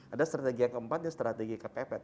ada strategi yang keempat yang strategi kepepet